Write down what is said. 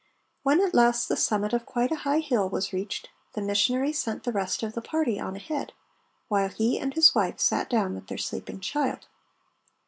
When at last the summit of quite a high hill was reached, the missionary sent the rest of the party on ahead, while he and his wife sat down with their sleeping child.